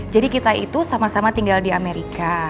jadi kita itu sama sama tinggal di amerika